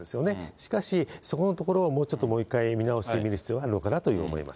しかし、そこのところをもうちょっと、もう一回見直してみる必要があるのかなと思います。